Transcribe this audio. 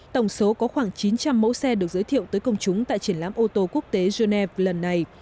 tổng số có khoảng chín trăm linh mẫu xe được giới thiệu tới công chúng tại triển lãm ô tô quốc tế genève lần này